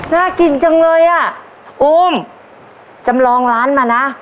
น้องอุ้มครับ